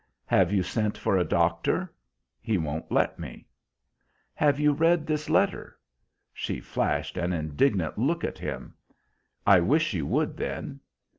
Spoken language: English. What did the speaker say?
"Have you sent for a doctor?" "He won't let me." "Have you read this letter?" She flashed an indignant look at him. "I wish you would, then."